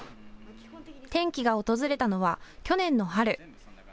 転機が訪れたのは去年の春。